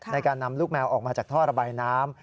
ในการนำลูกแมวออกมาจากท่อระบายน้ำ